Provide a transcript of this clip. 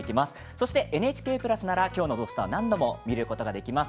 そしてＮＨＫプラスなら今日の「土スタ」を何度も見ることができます。